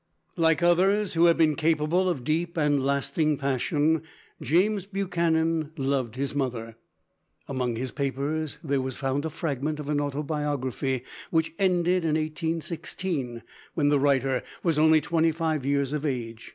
Like others, who have been capable of deep and lasting passion, James Buchanan loved his mother. Among his papers there was found a fragment of an autobiography, which ended in 1816, when the writer was only twenty five years of age.